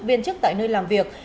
viên chức tại nơi làm việc